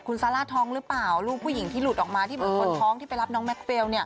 คุณซาร่าท้องหรือเปล่าลูกผู้หญิงที่หลุดออกมาที่เหมือนคนท้องที่ไปรับน้องแม็กเวล